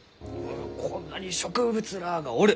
こんなに植物らあがおる。